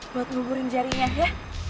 buat nguburin jarinya ya